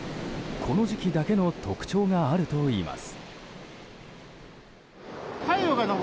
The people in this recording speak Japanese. この時期だけの特徴があるといいます。